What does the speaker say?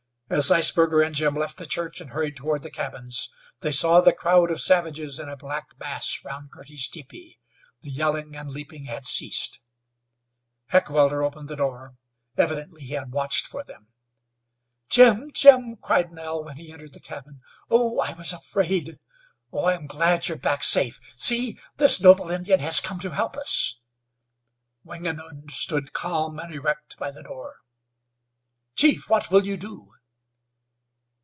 As Zeisberger and Jim left the church and hurried toward the cabins, they saw the crowd of savages in a black mass round Girty's teepee. The yelling and leaping had ceased. Heckewelder opened the door. Evidently he had watched for them. "Jim! Jim!" cried Nell, when he entered the cabin. "Oh h! I was afraid. Oh! I am glad you're back safe. See, this noble Indian has come to help us." Wingenund stood calm and erect by the door. "Chief, what will you do?"